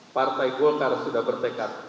partai golkar sudah bertekad